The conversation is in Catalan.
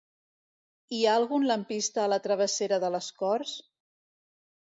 Hi ha algun lampista a la travessera de les Corts?